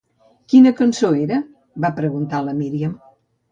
"Quina cançó era?", va preguntar la Míriam.